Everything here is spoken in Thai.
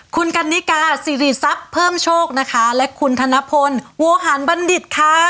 คุณกันนิกาสิริทรัพย์เพิ่มโชคนะคะและคุณธนพลโวหารบัณฑิตค่ะ